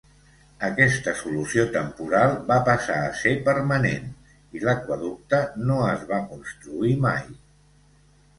Aquesta solució temporal va passar a ser permanent i l'aqüeducte no es va construir mai.